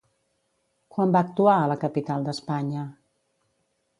Quan va actuar a la capital d'Espanya?